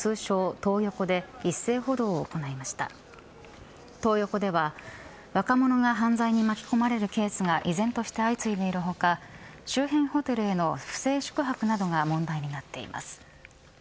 トー横では、若者が犯罪に巻き込まれるケースが依然として相次いでいる他周辺ホテルへの不正宿泊などが問題になっています。